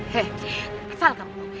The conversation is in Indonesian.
hei asal kamu bu